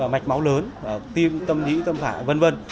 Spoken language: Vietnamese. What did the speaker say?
mạch máu lớn tim tâm nhĩ tâm phải v v